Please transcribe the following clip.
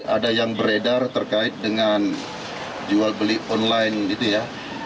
ada yang beredar terkait dengan jual beli online gitu ya